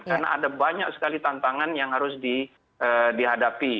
karena ada banyak sekali tantangan yang harus dihadapi